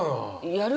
やる？